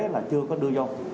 là chưa có đưa vô